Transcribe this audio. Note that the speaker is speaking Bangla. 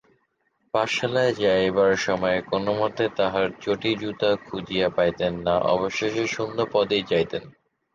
পাঠশালায় যাইবার সময় কোনোমতে তাঁহার চটিজুতা খুঁজিয়া পাইতেন না, অবশেষে শূন্যপদেই যাইতেন।